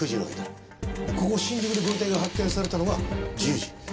ここ新宿でご遺体が発見されたのが１０時。